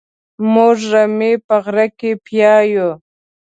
موږ رمې په غره کې پيايو.